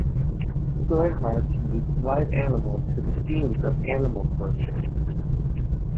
Tsui Hark used live animals for the scenes of animal torture.